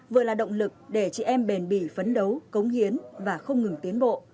vừa là động lực để chị em bền bỉ phấn đấu cống hiến và không ngừng tiến bộ